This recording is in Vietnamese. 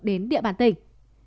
đến địa bàn tỉnh